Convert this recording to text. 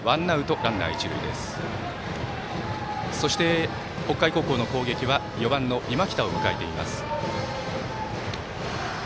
そして、北海高校の攻撃は４番の今北を迎えています。